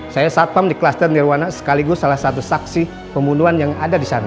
saya satpam di klaster nirwana sekaligus salah satu saksi pembunuhan yang ada di sana